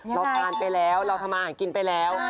เราทานไปแล้วเราทำอาหารกินไปแล้ว